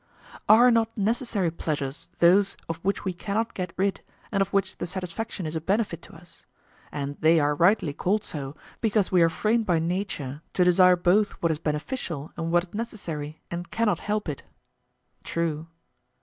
Are not necessary pleasures those of which we cannot get rid, and of which the satisfaction is a benefit to us? And they are rightly called so, because we are framed by nature to desire both what is beneficial and what is necessary, and cannot help it. True.